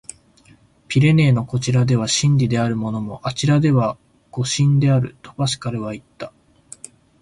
「ピレネーのこちらでは真理であるものも、あちらでは誤謬である」、とパスカルはいった。